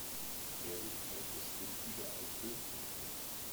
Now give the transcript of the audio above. Ehrlichkeit ist wichtiger als Höflichkeit.